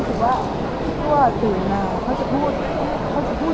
คือว่าที่ตัวตื่นมาเขาจะพูด